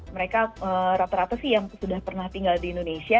mereka rata rata sih yang sudah pernah tinggal di indonesia